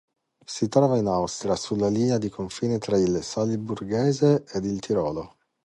Si trova in Austria sulla linea di confine tra il Salisburghese ed il Tirolo.